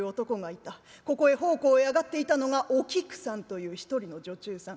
ここへ奉公へあがっていたのがお菊さんという一人の女中さん。